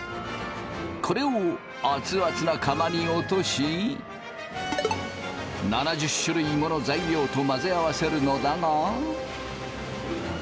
これを熱々な釜に落とし７０種類もの材料と混ぜ合わせるのだが。